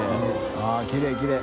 あぁきれいきれい。